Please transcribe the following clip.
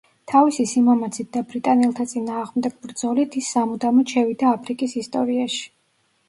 თავისი სიმამაცით და ბრიტანელთა წინააღმდეგ ბრძოლით, ის სამუდამოდ შევიდა აფრიკის ისტორიაში.